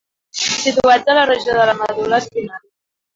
Situats a la regió de la medul·la espinal.